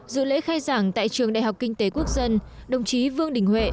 dự lễ khai giảng tại trường đại học kinh tế quốc dân đồng chí vương đình huệ